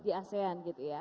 di asean gitu ya